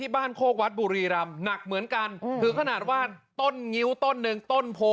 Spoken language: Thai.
บ้านโคกวัดบุรีรำหนักเหมือนกันคือต้นนิ้วต้นหนึ่งต้นโพ